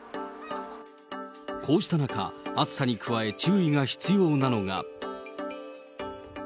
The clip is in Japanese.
こうした中、暑さに加え注意が必要なのが。